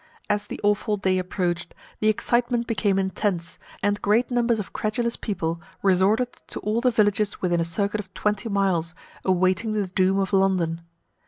As the awful day approached, the excitement became intense, and great numbers of credulous people resorted to all the villages within a circuit of twenty miles, awaiting the doom of London.